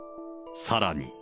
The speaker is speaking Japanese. さらに。